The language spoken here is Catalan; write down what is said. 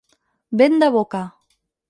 Vent de boca.